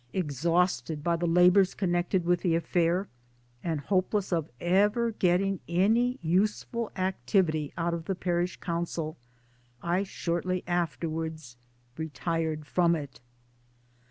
Exhausted by the labours connected with the affair, and hopeless of ever getting any useful activity out of the P.C., I shortly afterwards retired from it.